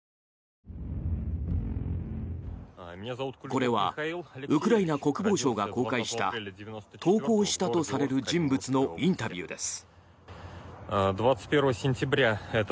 これはウクライナ国防省が公開した投降したとされる人物のインタビューです。